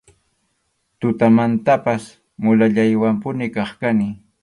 Tutamantanpas mulallaywanpuni kaq kani.